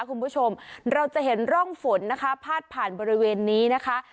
คุณผู้ชมเราจะเห็นร่องฝนนะคะพาดผ่านบริเวณนี้นะคะ